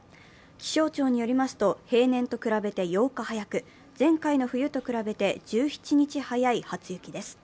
気象庁によりますと平年と比べて８日早く、前回の冬と比べて１７日早い初雪です。